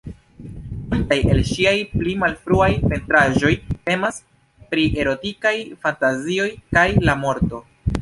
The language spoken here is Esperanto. Multaj el ŝiaj pli malfruaj pentraĵoj temas pri erotikaj fantazioj kaj la morto.